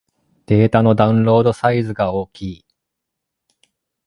データのダウンロードサイズが大きい